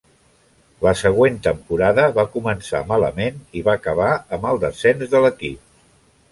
La següent temporada va començar malament i va acabar amb el descens de l'equip.